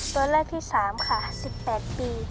ตัวเลือกที่๓ค่ะ๑๘ปี